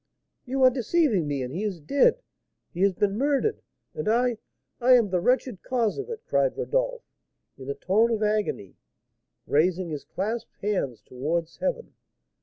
"You are deceiving me, and he is dead! He has been murdered! And I I am the wretched cause of it!" cried Rodolph, in a tone of agony, raising his clasped hands towards heaven.